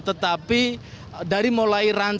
tetapi dari mulai rancangan